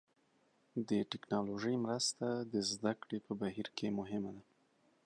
د ټکنالوژۍ مرسته د زده کړې په بهیر کې مهمه ده.